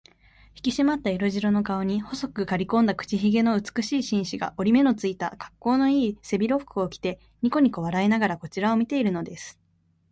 ひきしまった色白の顔に、細くかりこんだ口ひげの美しい紳士が、折り目のついた、かっこうのいい背広服を着て、にこにこ笑いながらこちらを見ているのです。